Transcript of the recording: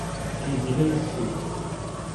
Yegla yes-k.